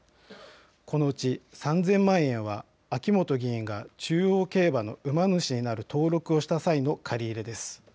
このうち３０００万円は秋本議員が中央競馬の馬主になる登録をした際の借り入れです。